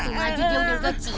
cuma jauh jauh dia udah nyuci